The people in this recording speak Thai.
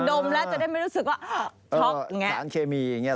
ดมแล้วจะได้ไม่รู้สึกว่าช็อคอย่างนี้